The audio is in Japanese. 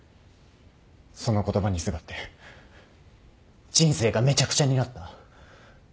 その言葉にすがって人生がめちゃくちゃになった。